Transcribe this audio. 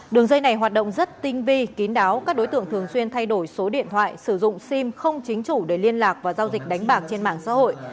đường dây này hoạt động rất tinh vi kín đáo các đối tượng thường xuyên thay đổi số điện thoại sử dụng sim không chính chủ để liên lạc và giao dịch đánh bạc trên mạng xã hội